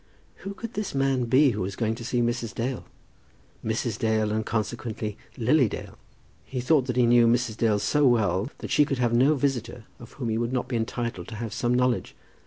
Who could this man be who was going down to see Mrs. Dale, Mrs. Dale, and consequently, Lily Dale? He thought that he knew Mrs. Dale so well, that she could have no visitor of whom he would not be entitled to have some knowledge.